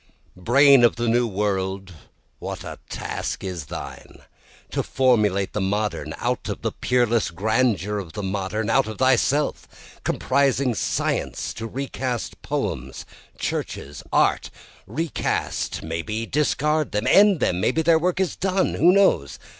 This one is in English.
3 Brain of the New World, what a task is thine, To formulate the Modern out of the peerless grandeur of the modern, Out of thyself, comprising science, to recast poems, churches, art, (Recast, may be discard them, end them maybe their work is done, who knows?)